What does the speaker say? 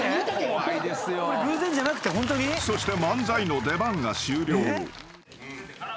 ［そして漫才の出番が終了］